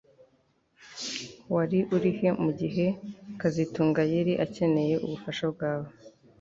Wari urihe mugihe kazitunga yari akeneye ubufasha bwawe